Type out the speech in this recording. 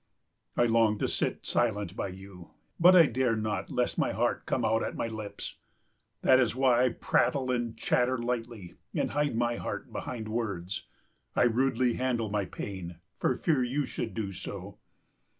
I long to sit silent by you; but I dare not lest my heart come out at my lips. That is why I prattle and chatter lightly and hide my heart behind words. I rudely handle my pain, for fear you should do so.